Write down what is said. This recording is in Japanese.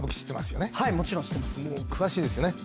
詳しいですよね？